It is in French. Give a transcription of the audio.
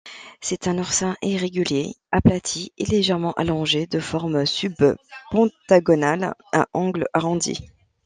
C'est un oursin irrégulier aplati et légèrement allongé de forme sub-pentagonale à angles arrondis.